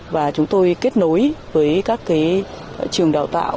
và chúng tôi kết nối với các trường đại học